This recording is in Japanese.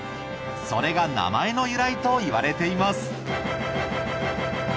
それが名前の由来といわれています